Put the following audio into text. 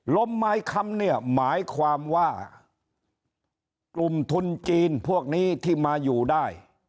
ลมไม้คำเนี่ยหมายความว่ากลุ่มทุนจีนพวกนี้ที่มาอยู่ได้